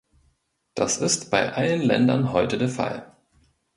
Das ist bei allen Ländern heute der Fall.